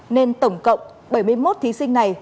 nên tổng cộng bảy mươi một thí sinh này